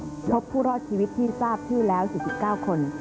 พบผู้รอดชีวิตที่ทราบชื่อแล้ว๔๙คน